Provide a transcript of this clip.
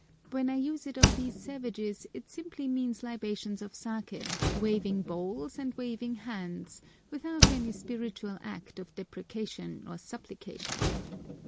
When I use it of these savages it simply means libations of saké, waving bowls and waving hands, without any spiritual act of deprecation or supplication.